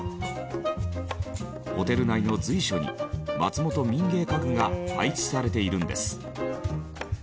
ホテル内の随所に松本民芸家具が配置されているんです。